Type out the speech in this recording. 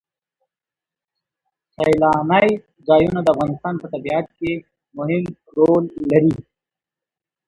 سیلانی ځایونه د افغانستان په طبیعت کې مهم رول لري.